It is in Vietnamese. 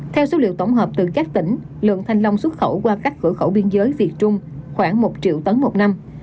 theo số liệu tổng hợp từ các tỉnh lượng thanh long xuất khẩu qua các cửa khẩu biên giới việt trung khoảng một triệu tấn một năm